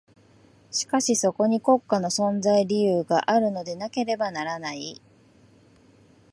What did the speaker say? しかしそこに国家の存在理由があるのでなければならない。